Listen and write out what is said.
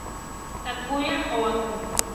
Takuya Aoki